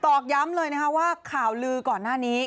อกย้ำเลยนะคะว่าข่าวลือก่อนหน้านี้